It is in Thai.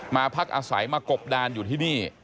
พักอาศัยมากบดานอยู่ที่นี่